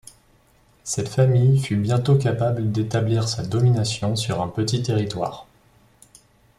Cette famille fut bientôt capable d'établir sa domination sur un petit territoire.